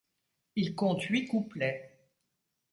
Il compte huit couplets.